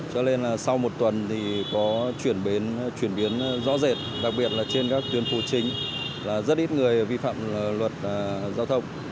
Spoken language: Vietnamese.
cho nên là sau một tuần thì có chuyển biến chuyển biến rõ rệt đặc biệt là trên các tuyến phố chính là rất ít người vi phạm luật giao thông